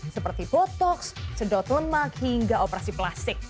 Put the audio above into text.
seperti botoks sedot lemak hingga operasi plastik